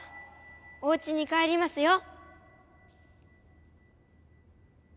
おうちに帰りますよ！